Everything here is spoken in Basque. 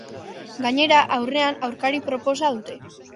Gainera, aurrean aurkari proposa dute.